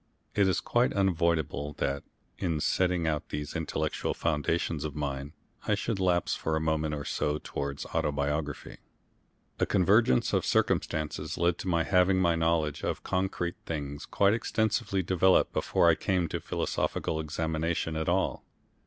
It is quite unavoidable that, in setting out these intellectual foundations of mine, I should lapse for a moment or so towards autobiography. A convergence of circumstances led to my having my knowledge of concrete things quite extensively developed before I came to philosophical examination at all.